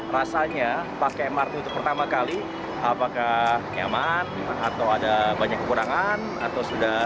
rasanya pakai mrt untuk pertama kali apakah nyaman atau ada banyak kekurangan atau sudah